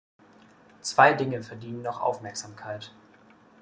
Zwei Dinge verdienen noch Aufmerksamkeit.